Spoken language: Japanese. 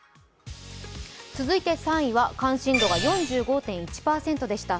続いて３位は関心度が４５．１％でした。